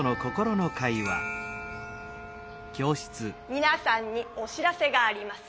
みなさんにお知らせがあります。